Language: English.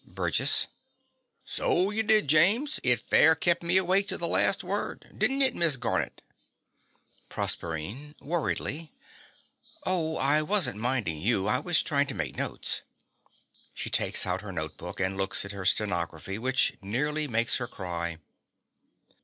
BURGESS. So you did, James. It fair kep' me awake to the last word. Didn't it, Miss Garnett? PROSERPINE (worriedly). Oh, I wasn't minding you: I was trying to make notes. (She takes out her note book, and looks at her stenography, which nearly makes her cry.)